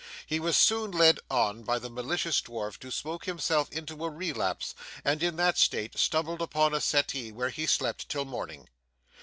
He was soon led on by the malicious dwarf to smoke himself into a relapse, and in that state stumbled upon a settee where he slept till morning.